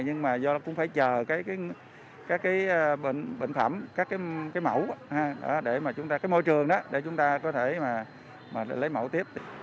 nhưng mà do cũng phải chờ các cái bệnh phẩm các cái mẫu cái môi trường đó để chúng ta có thể mà lấy mẫu tiếp